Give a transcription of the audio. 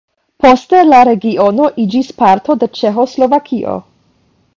Poste la regiono iĝis parto de Ĉeĥoslovakio.